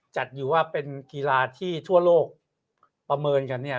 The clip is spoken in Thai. จัดอยู่ว่าเป็นกีฬาที่ทั่วโลกประเมินกันเนี่ย